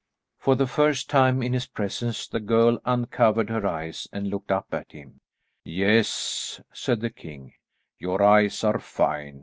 For the first time in his presence the girl uncovered her eyes and looked up at him. "Yes," said the king, "your eyes are fine.